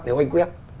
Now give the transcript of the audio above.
nếu anh quyết